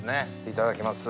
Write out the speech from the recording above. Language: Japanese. いただきます。